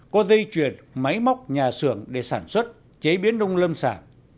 có dây chuyền máy móc nhà xưởng để sản xuất chế biến nông lâm sản